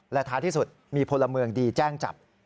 และท้ายที่สุดมีพลเมืองดีแจ้งจับ